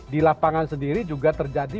di lapangan sendiri juga terjadi